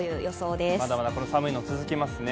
まだまだこの寒いの続きますね。